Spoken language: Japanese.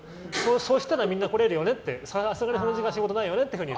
そうしたらみんな来れるよねその時間仕事ないよねって。